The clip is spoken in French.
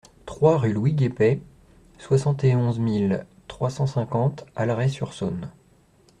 trois rue Louis Guepey, soixante et onze mille trois cent cinquante Allerey-sur-Saône